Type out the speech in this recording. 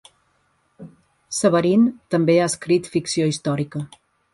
Severin també ha escrit ficció històrica.